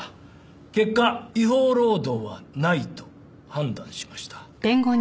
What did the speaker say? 結果違法労働はないと判断しました。